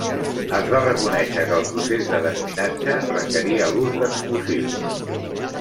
Es va reconèixer que el procés de desminatge requeria l'ús d'explosius.